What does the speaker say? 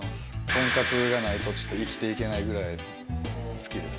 豚カツがないとちょっと生きていけないくらい好きです。